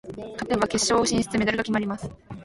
勝てば決勝進出、メダルが決まります。